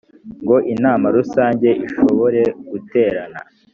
ngo inama rusange ishobore guterana